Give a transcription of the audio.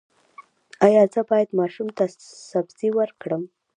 ایا زه باید ماشوم ته سبزي ورکړم؟